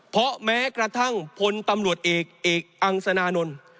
เพราะแม้กระทั่งพลตำรวจเอกเอกอังสนานนท์